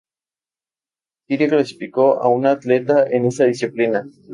Siria clasificó a una atleta en esta disciplina.